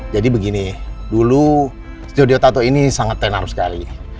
jadi begini dulu studio tato ini sangat tenar sekali